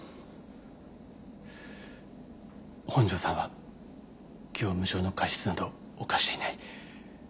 本庄さんは業務上の過失など犯していない。